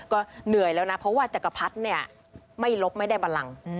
ก็เหนื่อยแล้วนะเพราะว่าจักรพรรดิเนี่ยไม่ลบไม่ได้บันลัง